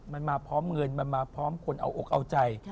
มันมาพร้อมเงินมันมาพร้อมคนเอาอกเอาใจ